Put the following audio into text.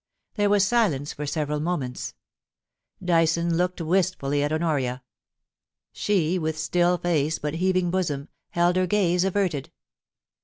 There was silence for several moments. Dyson looked wistfully at Honoria. She, with still face but heaving bosom, held her gaze averted.